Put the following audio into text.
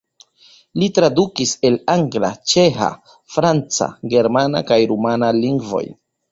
Li tradukis el angla, ĉeĥa, franca, germana kaj rumana lingvoj.